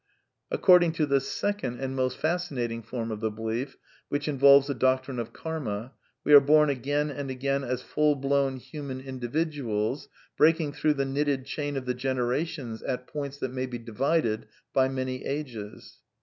According to the second and most fascinating form of the belief (which involves the doctrine of Karma), we are bom again and again as full blown human individuals, breaking through the knitted chain of the generations at points that may be divided by many ages.